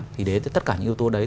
thì đến tất cả những yếu tố đấy